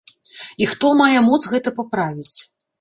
І хто мае моц гэта паправіць?